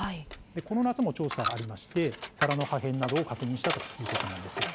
この夏も調査がありまして皿の破片などを確認したということなんです。